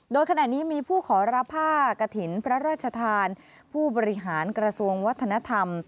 โดยขณะนี้มีผู้ขอรับผ้ากระถิ่นพระราชทานผู้บริหารกระทรวงวัฒนธรรม